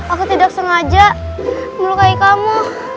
aku tidak sengaja melukai kamu